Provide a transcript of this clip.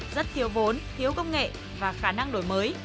rất thiếu vốn thiếu công nghệ và khả năng đổi mới